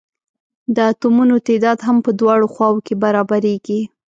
د اتومونو تعداد هم په دواړو خواؤ کې برابریږي.